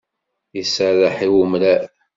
Iserreḥ i umrar.